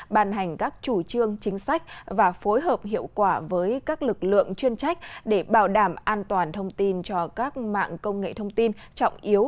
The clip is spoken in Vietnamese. bàn hành các chủ trương chính sách và phối hợp hiệu quả với các lực lượng chuyên trách để bảo đảm an toàn thông tin cho các mạng công nghệ thông tin trọng yếu